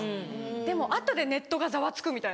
でも後でネットがざわつくみたいな。